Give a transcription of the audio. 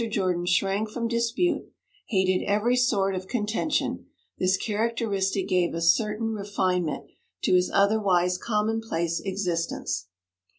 Jordan shrank from dispute, hated every sort of contention; this characteristic gave a certain refinement to his otherwise commonplace existence.